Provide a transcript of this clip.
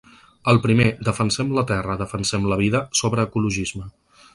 El primer, “Defensem la terra, defensem la vida”, sobre ecologisme.